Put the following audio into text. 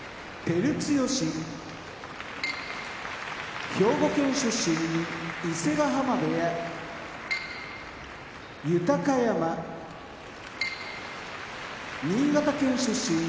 照強兵庫県出身伊勢ヶ濱部屋豊山新潟県出身